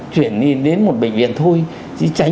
chuyển đi đến một bệnh viện thôi chỉ tránh